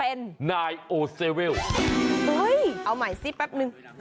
เอาใหม่ซิแป๊บนึง